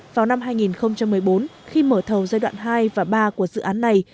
vào năm hai nghìn một mươi bốn khi mở thầu giai đoạn hai và ba của dự án này